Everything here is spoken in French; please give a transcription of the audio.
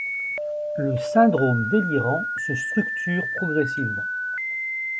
Le syndrome délirant se structure progressivement.